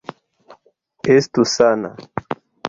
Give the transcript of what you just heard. Estu sana!